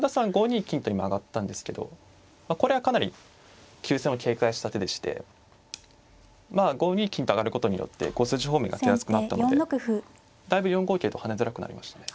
５二金と今上がったんですけどこれはかなり急戦を警戒した手でして５二金と上がることによって５筋方面が手厚くなったのでだいぶ４五桂と跳ねづらくなりましたね。